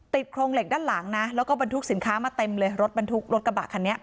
โครงเหล็กด้านหลังนะแล้วก็บรรทุกสินค้ามาเต็มเลยรถบรรทุกรถกระบะคันนี้